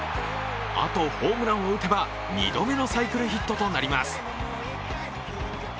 あとホームランを打てば、２度目のサイクルヒットとなります。